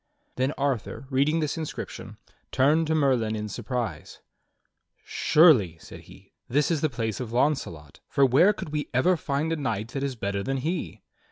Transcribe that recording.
Then Arthur, reading this inscription, turned to Merlin in surprise. "Surely," said he, "this is the place of Launcelot, for where could we ever find a knight that is better than he.